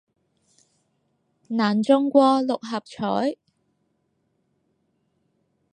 難中過六合彩